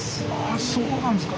あそうなんですか。